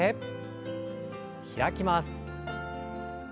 開きます。